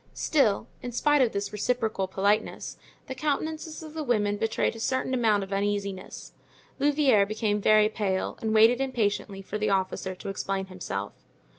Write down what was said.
Still, in spite of this reciprocal politeness, the countenances of the women betrayed a certain amount of uneasiness; Louvieres became very pale and waited impatiently for the officer to explain himself.